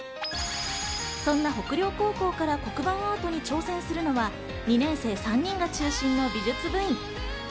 そんな北陵高校から黒板アートに挑戦するのは２年生３人が中心の美術部員。